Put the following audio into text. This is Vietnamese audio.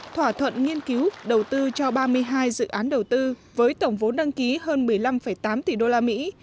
thỏa thuận nghiên cứu đầu tư cho ba mươi hai dự án đầu tư với tổng vốn đăng ký hơn một mươi năm tám tỷ đô la mỹ